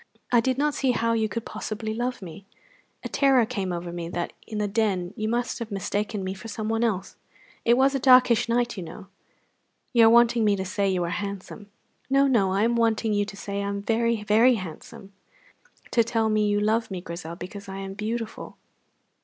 I did not see how you could possibly love me. A terror came over me that in the Den you must have mistaken me for someone else. It was a darkish night, you know." "You are wanting me to say you are handsome." "No, no; I am wanting you to say I am very, very handsome. Tell me you love me, Grizel, because I am beautiful."